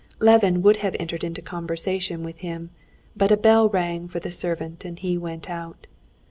Levin would have entered into conversation with him, but a bell rang for the servant, and he went out.